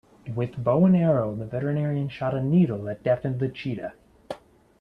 With bow and arrow the veterinarian shot a needle that deafened the cheetah.